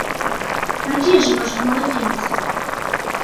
А дзе ж ваш маладзец?